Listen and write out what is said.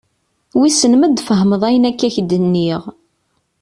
Wissen ma ad d-tfehmeḍ ayen akka i ak-d-nniɣ.